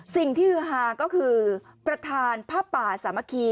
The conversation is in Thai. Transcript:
สิ่งที่อื้อหาก็คือประธานพระป่าสามัคคี